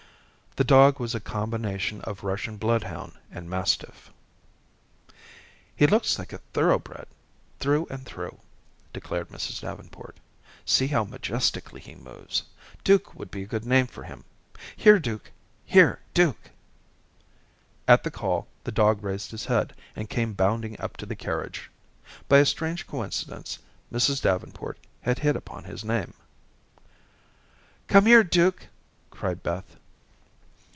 The dog was a combination of Russian bloodhound and mastiff. "He looks the thoroughbred, through and through," declared Mrs. Davenport. "See how majestically he moves. Duke would be a good name for him. Here, Duke. Here, Duke." At the call, the dog raised his head and came bounding up to the carriage. By a strange coincidence, Mrs. Davenport had hit upon his name. "Come here, Duke," cried Beth.